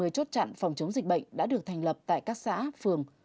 hai mươi chốt trạn phòng chống dịch bệnh đã được thành lập tại các xã phường